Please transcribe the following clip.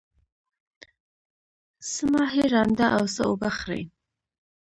څه ماهی ړانده او څه اوبه خړی.